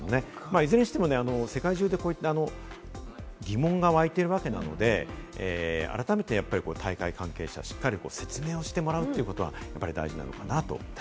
いずれにしても、世界中で疑問が湧いているわけなので、改めて大会関係者、しっかり説明をしてもらうということは、やっぱり大事なのかなと思います。